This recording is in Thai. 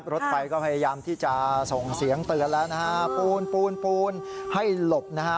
รถไฟก็พยายามที่จะส่งเสียงเตือนแล้วนะฮะปูนปูนปูนให้หลบนะฮะ